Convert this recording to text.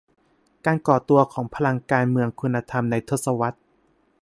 การก่อตัวของพลังการเมืองคุณธรรม ในทศวรรษ